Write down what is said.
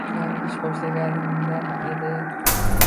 Yangi ish boshlaganingda edi.